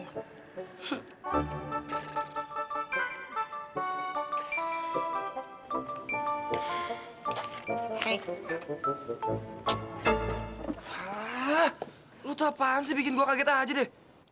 hah lo tuh apaan sih bikin gue kaget aja deh